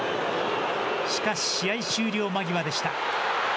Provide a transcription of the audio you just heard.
しかし試合終了間際でした。